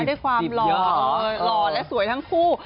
ด้วยความหล่อหล่อและสวยทั้งคู่